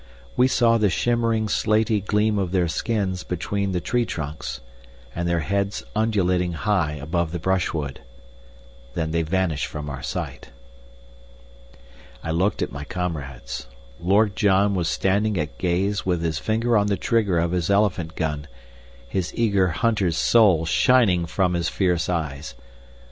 We saw the shimmering slaty gleam of their skins between the tree trunks, and their heads undulating high above the brush wood. Then they vanished from our sight. I looked at my comrades. Lord John was standing at gaze with his finger on the trigger of his elephant gun, his eager hunter's soul shining from his fierce eyes.